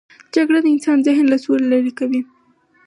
جګړه د انسان ذهن له سولې لیرې کوي